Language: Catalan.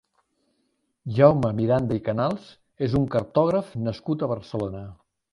Jaume Miranda i Canals és un cartògraf nascut a Barcelona.